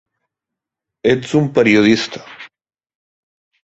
Ets un periodista.